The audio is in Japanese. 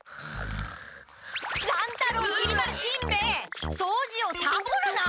乱太郎きり丸しんべヱそうじをサボるな！